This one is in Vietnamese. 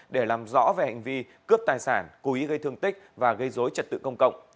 để làm rõ về hành vi cướp tài sản cố ý gây thương tích và gây dối trật tự công cộng